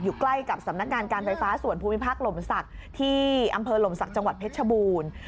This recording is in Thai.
ใกล้กับสำนักงานการไฟฟ้าส่วนภูมิภาคหลมศักดิ์ที่อำเภอหลมศักดิ์จังหวัดเพชรชบูรณ์